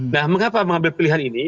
nah mengapa mengambil pilihan ini